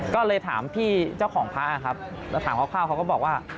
ก็เลยถามพี่เจ้าของพระครับแล้วถามคร่าวเขาก็บอกว่า